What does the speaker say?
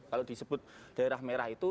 kalau disebut daerah merah itu